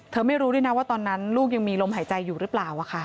ไม่รู้ด้วยนะว่าตอนนั้นลูกยังมีลมหายใจอยู่หรือเปล่า